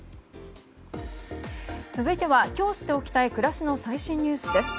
続いては今日知っておきたい暮らしの最新ニュースです。